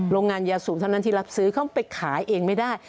โรงงานยาสูบเท่านั้นที่รับซื้อเขาไปขายเองไม่ได้